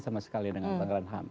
sama sekali dengan pelanggaran ham